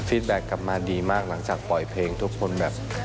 แบ็คกลับมาดีมากหลังจากปล่อยเพลงทุกคนแบบ